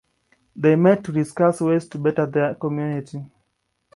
They met to discuss ways to better their community.